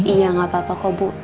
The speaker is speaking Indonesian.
iya nggak apa apa kok bu